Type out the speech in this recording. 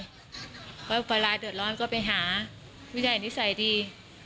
เพราะว่าอุปราณ์เดือดร้อนก็ไปหาผู้ใหญ่นิสัยดี